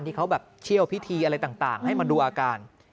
ที่เขาแบบเชี่ยวพิธีอะไรต่างให้มาดูอาการ